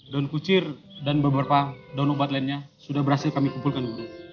daun kucir dan beberapa daun obat lainnya sudah berhasil kami kumpulkan